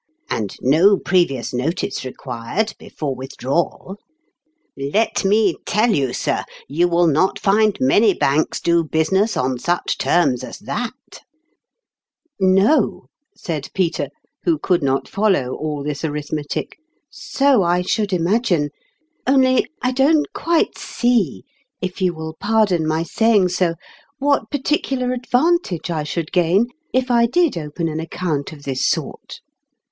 And no previous notice required before withdrawal ! Let me tell you, 23 sir, you will not find many banks do business on such terms as that !"" No," said Peter, who could not follow all this arithmetic, " so I should imagine. Only, I don't quite see, if you will pardon my saying so, what particular advantage I should gain if I did open an account of this sort."